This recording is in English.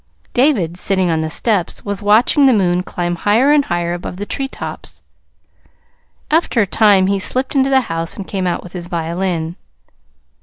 David, sitting on the steps, was watching the moon climb higher and higher above the tree tops. After a time he slipped into the house and came out with his violin.